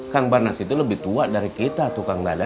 kang barnas itu lebih tua dari kita tuh kang barnas